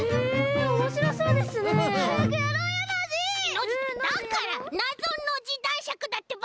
ノジだからなぞノジだんしゃくだってば！